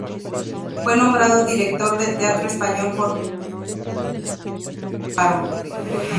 Fue nombrado director del Teatro Español formando una compañía con actores en paro.